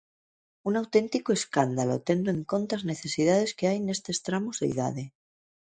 ¡Un auténtico escándalo tendo en conta as necesidades que hai nestes tramos de idade!